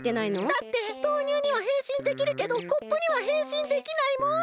だって豆乳にはへんしんできるけどコップにはへんしんできないもん。